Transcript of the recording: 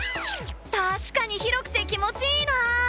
確かに広くて気持ちいいな。